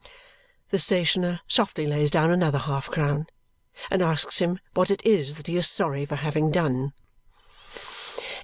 The stationer softly lays down another half crown and asks him what it is that he is sorry for having done.